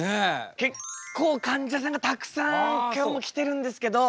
結構かんじゃさんがたくさん今日も来てるんですけど。